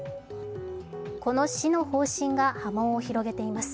この市の方針が波紋を広げています。